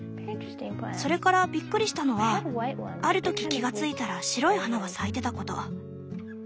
それからびっくりしたのはある時気が付いたら白い花が咲いてたこと。